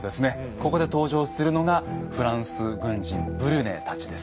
ここで登場するのがフランス軍人ブリュネたちです。